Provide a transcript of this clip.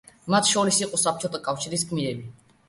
მათ შორის იყო საბჭოთა კავშირის გმირები.